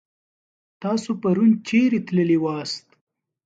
تاسو پرون چيرې تللي واست؟